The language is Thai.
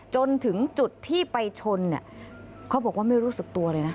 จนถึงจุดที่ไปชนเนี่ยเขาบอกว่าไม่รู้สึกตัวเลยนะ